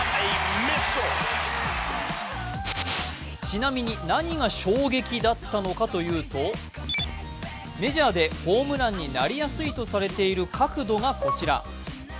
ちなみに何が衝撃だったのかというとメジャーでホームランになりやすいとされている角度がこちら。